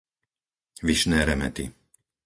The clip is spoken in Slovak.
Vyšné Remety